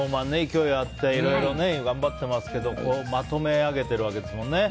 勢いあっていろいろ頑張っていますけどまとめ上げてるわけですもんね。